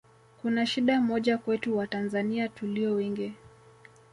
kuna shida moja kwetu Watanzania tulio wengi